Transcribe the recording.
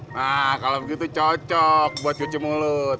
nah kalau begitu cocok buat cuci mulut